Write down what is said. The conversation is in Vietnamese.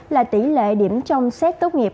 là tỉ lệ điểm trong xét tốt nghiệp